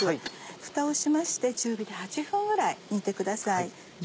フタをしまして中火で８分ぐらい煮てください。